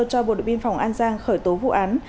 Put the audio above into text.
cho bộ đội biên phòng an giang khởi tố vụ án